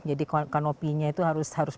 jadi kanopinya itu harus